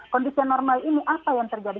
kondisi normal ini apa yang terjadi